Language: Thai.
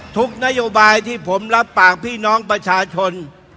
นโยบายที่ผมรับปากพี่น้องประชาชน